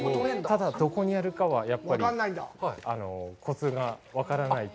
ただ、どこにあるかはやっぱりコツが分からないと。